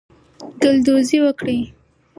ګلدوزی وکړئ.